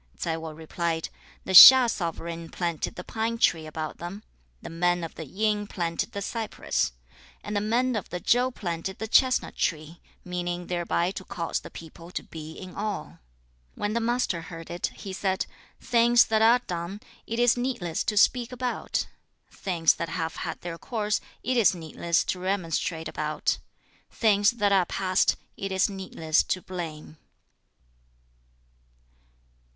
Tsai Wo replied, 'The Hsia sovereign planted the pine tree about them; the men of the Yin planted the cypress; and the men of the Chau planted the chestnut tree, meaning thereby to cause the people to be in awe.' 2. When the Master heard it, he said, 'Things that are done, it is needless to speak about; things that have had their course, it is needless to remonstrate about; things that are past, it is needless to blame.'